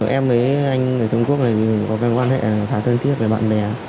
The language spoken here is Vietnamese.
em với anh ở trung quốc có giao quan hệ khá thân thiết với bạn bè